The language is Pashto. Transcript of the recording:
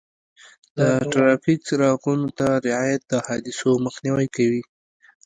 د ټرافیک څراغونو ته رعایت د حادثو مخنیوی کوي.